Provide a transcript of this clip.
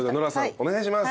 お願いします。